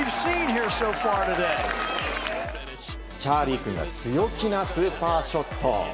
チャーリー君が強気なスーパーショット。